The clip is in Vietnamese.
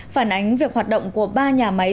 phản ánh việc hoạt động của ba nhà máy